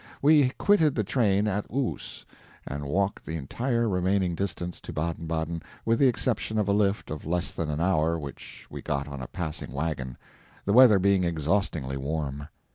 We quitted the train at Oos, and walked the entire remaining distance to Baden Baden, with the exception of a lift of less than an hour which we got on a passing wagon, the weather being exhaustingly warm.